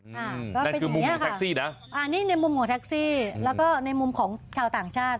ก็เป็นมุมของแท็กซี่นะอ่านี่ในมุมของแท็กซี่แล้วก็ในมุมของชาวต่างชาติ